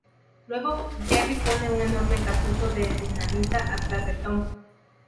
Luego, Jerry pone un enorme cartucho de dinamita atrás de Tom.